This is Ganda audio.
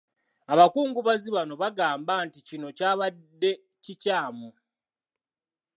Abakungubazi bano bagamba nti kino kyabadde kikyamu.